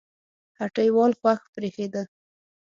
هټۍوال خوښ برېښېده